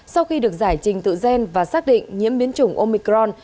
sau khi được giải trình tự gen và xác định nhiễm biến chủng omicron